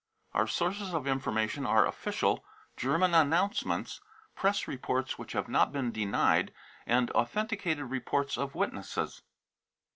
Our sources of information are official German announcements, press reports which hav$ not been denied, and authenticated reports of witnesses.